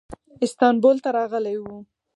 استانبول ته راغلی و.